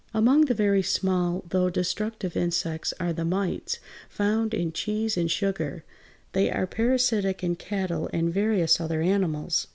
Among the very small, though destructive insects, are the mites, found in cheese and sugar; they are parasitic in cattle and various other animals.